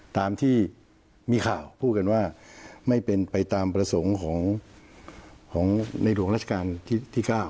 ตามที่มีข่าวพูดกันว่าไม่เป็นไปตามประสงค์ของในหลวงราชการที่๙